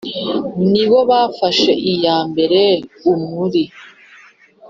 ni bo bafashe iya mbere u muri